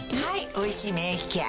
「おいしい免疫ケア」